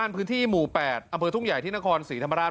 พื้นที่หมู่๘อำเภอทุ่งใหญ่ที่นครศรีธรรมราช